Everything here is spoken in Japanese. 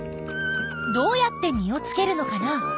どうやって実をつけるのかな？